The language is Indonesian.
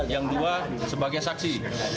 yang dua sebagai saksi